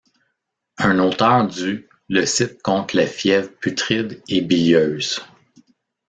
Un auteur du le cite contre les fièvres putrides et bilieuses.